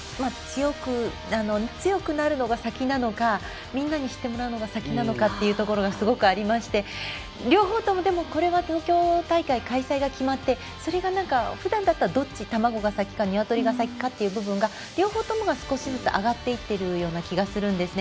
強くなるのが先なのかみんなに知ってもらうのが先なのかっていうのがすごくありまして両方とも、これは東京大会開催が決まってそれが、ふだんだったら卵が先か鶏が先かという部分が両方ともが少しずつ上がってきてるような気がするんですね。